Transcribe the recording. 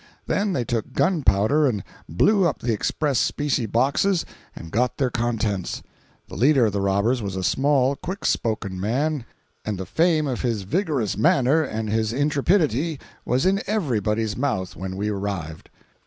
Then they took gunpowder and blew up the express specie boxes and got their contents. The leader of the robbers was a small, quick spoken man, and the fame of his vigorous manner and his intrepidity was in everybody's mouth when we arrived.